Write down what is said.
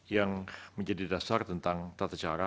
yang menjadi dasar tentang tata cara